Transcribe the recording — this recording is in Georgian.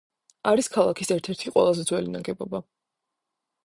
არის ქალაქის ერთ-ერთი ყველაზე ძველი ნაგებობა.